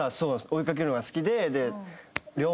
追いかけるのが好きで。